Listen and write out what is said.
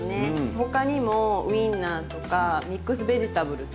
他にもウインナーとかミックスベジタブルとか。